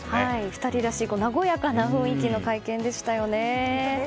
２人らしい和やかな雰囲気の会見でしたよね。